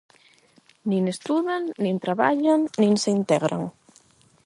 Nin estudan nin traballan nin se integran.